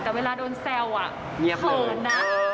แต่เวลาโดนแซวเผินนะเงียบเลย